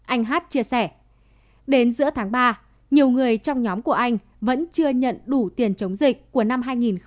anh h chia sẻ đến giữa tháng ba nhiều người trong nhóm của anh vẫn chưa nhận đủ tiền chống dịch của năm hai nghìn hai mươi hai